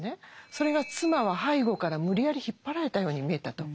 それが妻は背後から無理やり引っ張られたように見えたと。